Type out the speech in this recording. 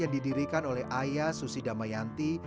yang didirikan oleh ayah susi damayanti